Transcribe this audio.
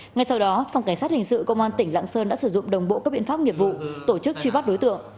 ngay sau đó phòng cảnh sát hình sự công an tỉnh lạng sơn đã sử dụng đồng bộ các biện pháp nghiệp vụ tổ chức truy bắt đối tượng